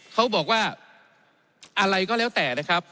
เขาบอกว่าอะไรก็แล้วแต่นะครับ